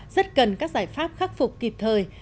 rất cần các giải pháp khắc phục kịp thời